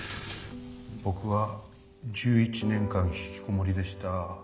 僕は１１年間ひきこもりでした。